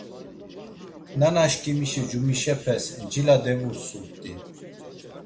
Nanaşkimişi cumişepes cila devusumt̆i.